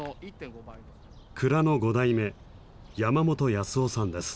蔵の５代目山本康夫さんです。